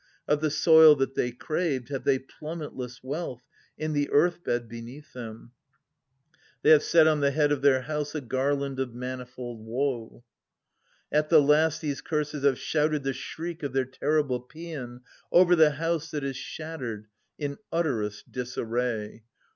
Of the soil that they craved have they plummetless wealth — in the earth bed beneath them ! 950 They have set on the head of their house a garland of manifold woe. At the last these Curses have shouted the shriek of their terrible paean Over the house that is shattered in utterest disarray.